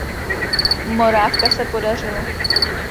Morávka se podařilo.